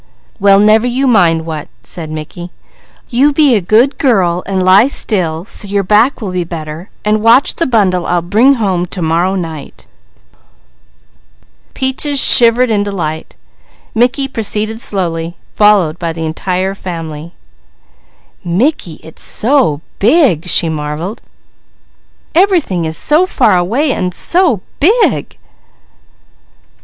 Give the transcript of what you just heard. "Well never you mind what," said Mickey. "You be a good girl and lie still, so your back will be better, and watch the bundle I'll bring home to morrow night." Peaches shivered in delight. Mickey proceeded slowly, followed by the entire family. "Mickey, it's so big!" she marvelled. "Everything is so far away, an' so big!"